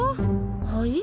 はい？